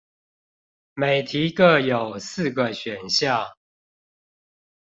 每題各有四個選項